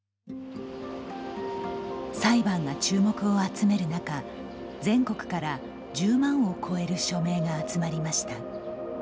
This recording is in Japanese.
裁判が注目を集める中全国から１０万を超える署名が集まりました。